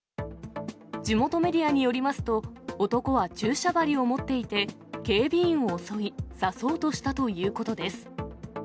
地元メディアによりますと、男は注射針を持っていて、警備員を襲い、刺そうとしたということです。